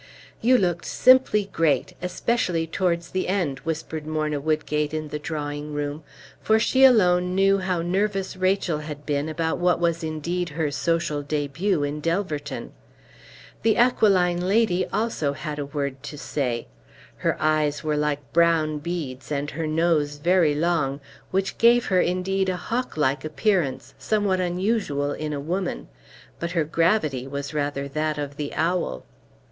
"You looked simply great especially towards the end," whispered Morna Woodgate in the drawing room, for she alone knew how nervous Rachel had been about what was indeed her social debut in Delverton. The aquiline lady also had a word to say. Her eyes were like brown beads, and her nose very long, which gave her indeed a hawk like appearance, somewhat unusual in a woman; but her gravity was rather that of the owl.